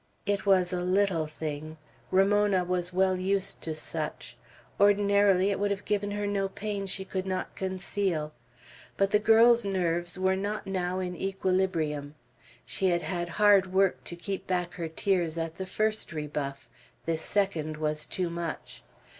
It was a little thing. Ramona was well used to such. Ordinarily it would have given her no pain she could not conceal. But the girl's nerves were not now in equilibrium. She had had hard work to keep back her tears at the first rebuff. This second was too much.